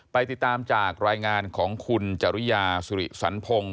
ไปติดตามจากรายงานของคุณจริยาสุริสันพงศ์